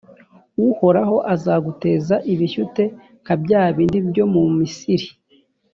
uhoraho azaguteza ibishyute, nka bya bindi byo mu misiri;